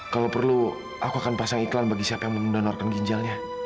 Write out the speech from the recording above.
kalau perlu aku akan pasang iklan bagi siapa yang mendonorkan ginjalnya